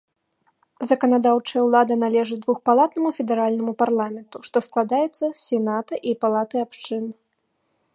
Заканадаўчая ўлада належыць двухпалатнаму федэральнаму парламенту, што складаецца з сената і палаты абшчын.